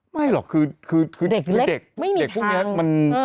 ไม่หรอกคือเด็กพวกนี้มัน